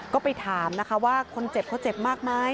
ก็ไปถามนะคะว่าคนเจ็บเขาเจ็บมากไหม